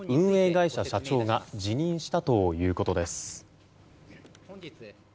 会社社長が辞任したということです。